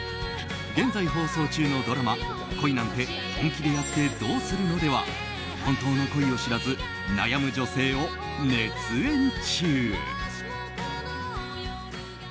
現在放送中のドラマ「恋なんて、本気でやってどうするの？」では本当の恋を知らず悩む女性を熱演中。